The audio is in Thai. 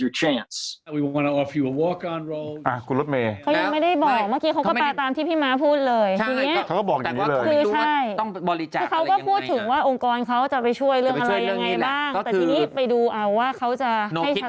พระเจ้ามาร์ตินสกอร์เซซี